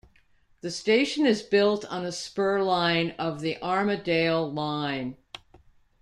The station is built on a spur line of the Armadale Line.